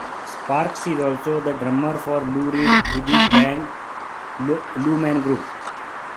Sparks is also the drummer for the Lou Reed tribute band, Lou Man Group.